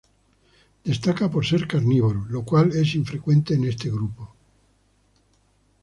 Destaca por ser carnívoro, lo cual es infrecuente en este grupo.